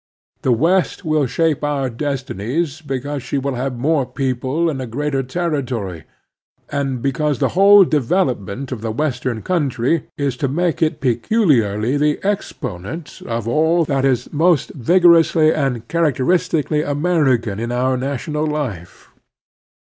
The West will shape otu* destinies because she will have more people and a greater territory, and because the whole develop ment of the western cotmtry is such as to make it peculiarly the exponent of all that is most vigor ously and characteristically American in our national life.